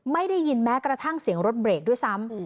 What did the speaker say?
ไม่ได้ยินแม้กระทั่งเสียงรถเบรกด้วยซ้ำ